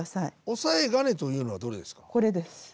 押さえ金というのはどれですか？